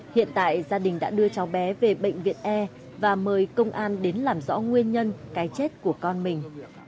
hiện tại gia đình đã đưa cháu bé về bệnh viện e và mời công an đến làm rõ nguyên nhân cái chết của con mình